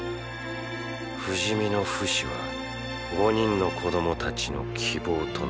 不死身のフシは５人の子供たちの希望となった。